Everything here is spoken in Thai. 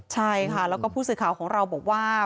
ใช่ค่ะแล้วก็ผู้สื่อข่าวของเราบอกว่า